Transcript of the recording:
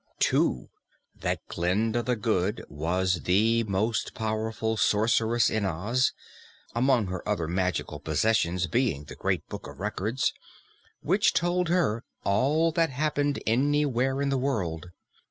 (2) That Glinda the Good was the most powerful Sorceress in Oz, among her other magical possessions being the Great Book of Records, which told her all that happened anywhere in the world.